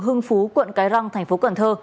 hưng phú quận cái răng tp cần thơ